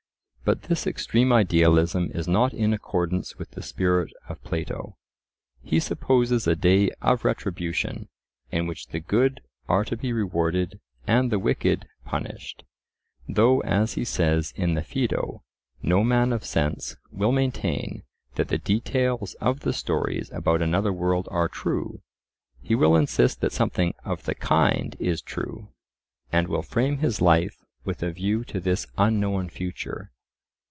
But this extreme idealism is not in accordance with the spirit of Plato. He supposes a day of retribution, in which the good are to be rewarded and the wicked punished. Though, as he says in the Phaedo, no man of sense will maintain that the details of the stories about another world are true, he will insist that something of the kind is true, and will frame his life with a view to this unknown future.